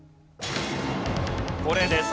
これです。